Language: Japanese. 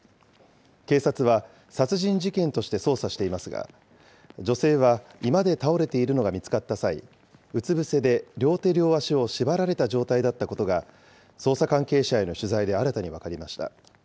警察は、殺人事件として捜査していますが、女性は居間で倒れているのが見つかった際、うつ伏せで両手両足を縛られた状態だったことが、捜査関係者への取材で新たに分かりました。